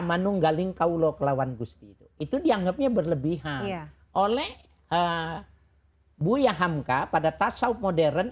manunggaling kaulo ke lawan gusti itu dianggapnya berlebihan oleh buya hamka pada tasawuf modern